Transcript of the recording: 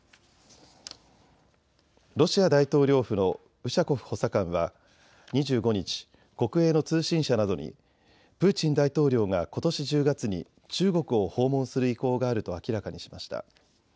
ロシア大統領府のウシャコフ補佐官は２５日、国営の通信社などにプーチン大統領がことし１０月に中国を訪問する意向があると明らかにしました。